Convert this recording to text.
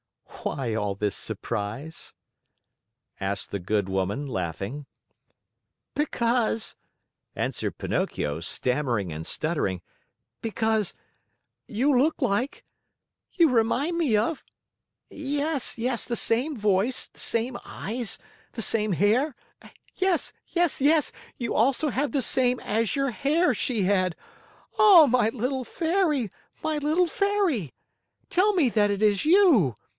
"Why all this surprise?" asked the good woman, laughing. "Because " answered Pinocchio, stammering and stuttering, "because you look like you remind me of yes, yes, the same voice, the same eyes, the same hair yes, yes, yes, you also have the same azure hair she had Oh, my little Fairy, my little Fairy! Tell me that it is you!